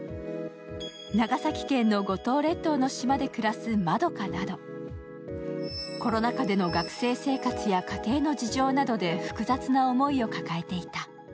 長崎県の五島列島の島で暮らす円華など、コロナ禍での学生生活や家庭の事情などで複雑な思いを抱えていた。